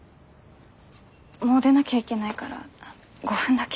もう出なきゃいけないから５分だけ。